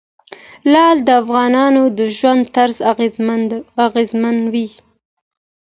لعل د افغانانو د ژوند طرز اغېزمنوي.